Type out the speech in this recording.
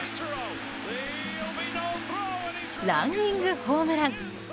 ランニングホームラン！